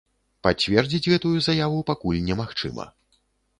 Пацвердзіць гэтую заяву пакуль немагчыма.